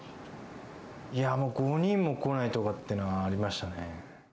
いやぁ、もう５人も来ないとかっていうのはありましたね。